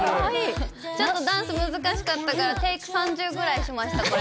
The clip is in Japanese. ちょっとダンス難しかったから、テーク３０ぐらいしました、これ。